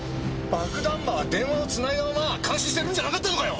爆弾魔は電話を繋いだまま監視してるんじゃなかったのかよ！？